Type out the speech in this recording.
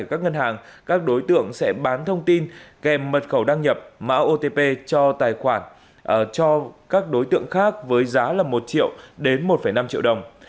ở các ngân hàng các đối tượng sẽ bán thông tin kèm mật khẩu đăng nhập mã otp cho các đối tượng khác với giá một triệu đến một năm triệu đồng